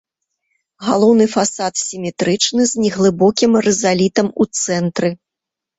Галоўны фасад сіметрычны, з неглыбокім рызалітам у цэнтры.